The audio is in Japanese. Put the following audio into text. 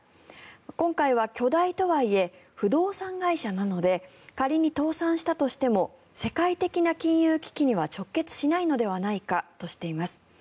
今回は巨大とはいえ不動産会社なので仮に倒産したとしても世界的な金融危機には直結しないのではないかとしています。